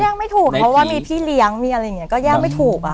ไม่ถูกเพราะว่ามีพี่เลี้ยงมีอะไรอย่างนี้ก็แยกไม่ถูกอ่ะ